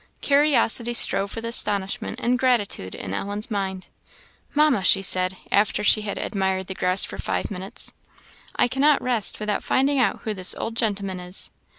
Curiosity strove with astonishment and gratitude in Ellen's mind. "Mamma," she said, after she had admired the grouse for five minutes, "I cannot rest without finding out who this old gentleman is."